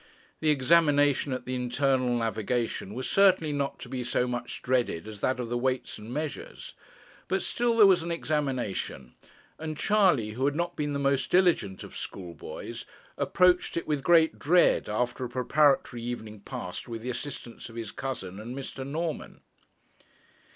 The examination at the Internal Navigation was certainly not to be so much dreaded as that at the Weights and Measures; but still there was an examination; and Charley, who had not been the most diligent of schoolboys, approached it with great dread after a preparatory evening passed with the assistance of his cousin and Mr. Norman.